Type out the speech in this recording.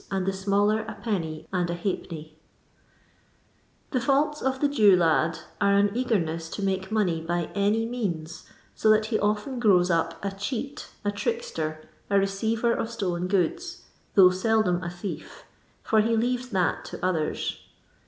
and the smaller 1^ and \d. I The fiialu of the Jew lad are an eageness to * make money by any means, so that be olten grows • np a cheat, a trickster, a receiver of stolen goods, though seldom a thief, for he leaves that to others.